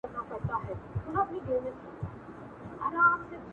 مريـــد يــې مـړ هـمېـش يـې پيـر ويده دی~